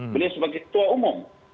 beliau sebagai ketua umum